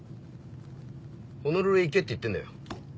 ホノルルへ行けって言ってんだよ。